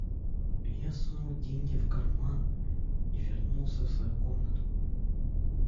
Я сунул деньги в карман и вернулся в свою комнату.